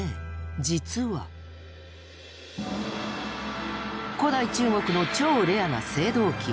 実は古代中国の超レアな青銅器。